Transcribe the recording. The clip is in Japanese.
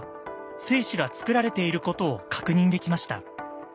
精子がつくられていることを確認できました。